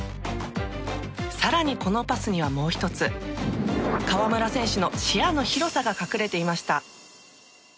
更に、このパスにはもう１つ河村選手の視野の広さが隠れていました。